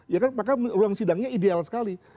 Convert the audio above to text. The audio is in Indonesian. ya kan maka ruang sidangnya ideal sekali